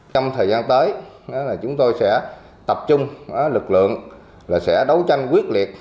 trong thời gian tới chúng tôi sẽ tập trung lực lượng là sẽ đấu tranh quyết liệt